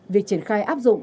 việc triển khai áp dụng